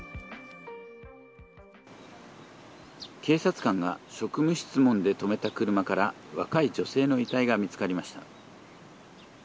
警察官が職務質問で止めた車から若い女性の遺体が見つかりました。